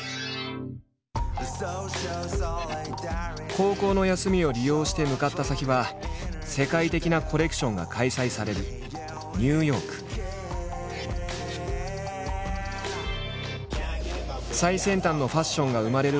高校の休みを利用して向かった先は世界的なコレクションが開催される最先端のファッションが生まれる